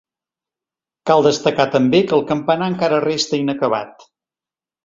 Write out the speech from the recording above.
Cal destacar també que el campanar encara resta inacabat.